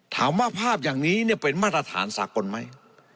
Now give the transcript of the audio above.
ภาพอย่างนี้เป็นมาตรฐานสากลไหม